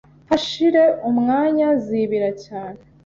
hashire umwanya zibira cyane